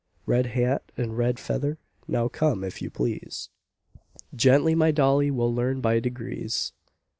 Red hat and red feather—now come, if you please, Gently, my dolly, we learn by degrees."